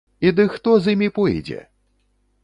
І ды хто з імі пойдзе?!